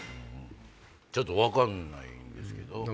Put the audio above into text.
ちょっと分かんないですけど。